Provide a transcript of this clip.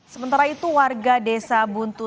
sementara itu warga desa buntu